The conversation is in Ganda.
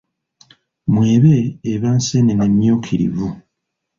Mwebe eba nseenene emmyukirivu.